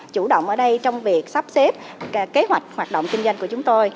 chủ động ở đây trong việc sắp xếp kế hoạch hoạt động kinh doanh của chúng tôi